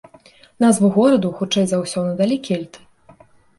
Назву гораду, хутчэй за ўсё, надалі кельты.